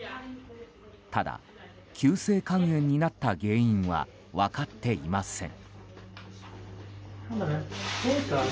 ただ、急性肝炎になった原因は分かっていません。